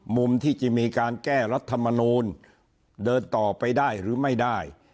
มุมที่จะมีการแก้รัฐมนูลเดินต่อไปได้หรือไม่ได้